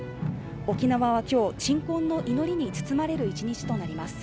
沖縄は今日鎮魂の祈りに包まれる１日となります